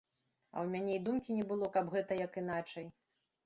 А ў мяне і думкі не было, каб гэта як іначай.